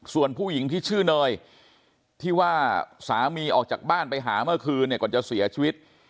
ส่วนผู้หญิงที่ชื่อเนยที่ว่าสามีออกจากบ้านไปหาเมื่อคืนเนี่ยก่อนจะเสียชีวิต